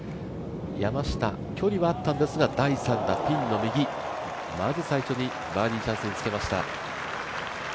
山下、距離はあったんですが第３打ピンの右、まず最初にバーディーチャンスにつけました。